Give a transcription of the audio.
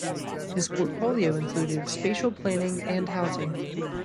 His portfolio included spatial planning and housing.